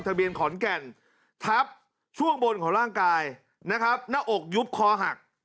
ทะเบียนขอนแก่นทับช่วงบนของร่างกายนะครับหน้าอกยุบคอหัก